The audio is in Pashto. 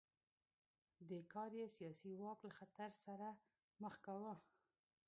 دې کار یې سیاسي واک له خطر سره مخ کاوه.